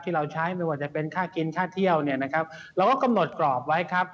เราใช้ไม่ว่าจะเป็นค่ากินค่าเที่ยวเนี่ยนะครับเราก็กำหนดกรอบไว้ครับ